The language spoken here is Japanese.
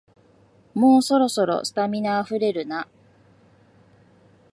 もうそろそろ、スタミナあふれるな